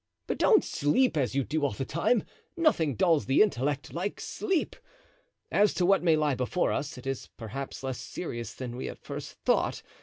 But don't sleep as you do all the time; nothing dulls the intellect like sleep. As to what may lie before us, it is perhaps less serious than we at first thought.